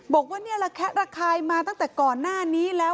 บอกว่าเนี่ยระแคะระคายมาตั้งแต่ก่อนหน้านี้แล้ว